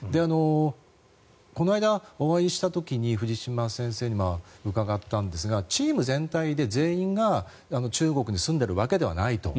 この間、お会いした時に藤嶋先生に伺ったんですがチーム全体で全員が、中国に住んでいるわけではないと。